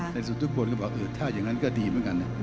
สุดทุกคนก็บอกเออถ้าอย่างนั้นก็ดีเหมือนกันนะ